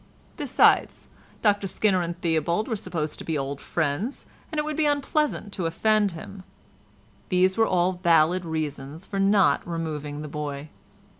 Besides, Dr Skinner and Theobald were supposed to be old friends, and it would be unpleasant to offend him; these were all valid reasons for not removing the boy.